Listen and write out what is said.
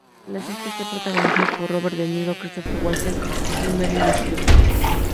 La cinta está protagonizada por Robert De Niro, Christopher Walken y Meryl Streep.